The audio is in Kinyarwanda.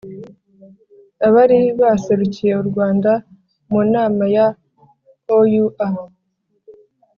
abari baserukiye u rwanda mu nama ya oua